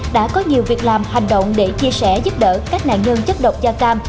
đã có nhiều việc làm hành động để chia sẻ giúp đỡ các nạn nhân chất độc da cam